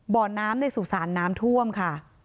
บ่อน้ำในสุสานน้ำท่วมค่ะ